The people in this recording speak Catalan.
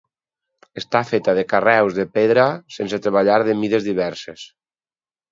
Està feta de carreus de pedra sense treballar de mides diverses.